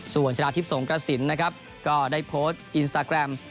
ส่วนชนะทิพย์สงกระสินนะครับก็ได้โพสต์อินสตาแกรม